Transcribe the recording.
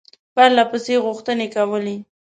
پرله پسې غوښتني کولې.